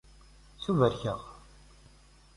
Ttubarkeɣ.